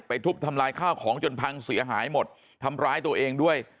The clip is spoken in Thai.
ทุบทำลายข้าวของจนพังเสียหายหมดทำร้ายตัวเองด้วย